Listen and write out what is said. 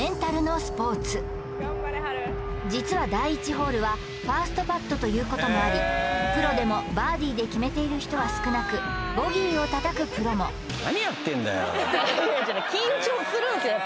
実は第１ホールはファーストパットということもありプロでもバーディーで決めている人は少なくボギーをたたくプロもいやいや緊張するんすよ